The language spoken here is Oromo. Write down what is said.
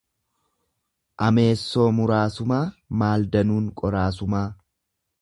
Ameessoo muraasumaa maal danuun qoraasumaa?.